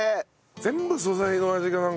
全部素材の味がなんか。